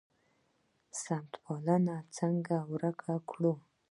سمت پالنه څنګه ورک کړو؟